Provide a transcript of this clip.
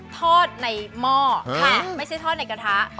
ทอดในหม้อไม่ใช่ทอดในกระทะ